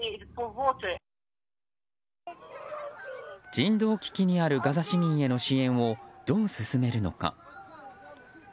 人道危機にあるガザ市民への支援をどう進めるのか。